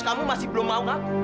kamu penipu ya